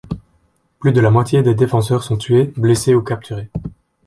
Plus de la moitié des défenseurs sont tués, blessés ou capturés.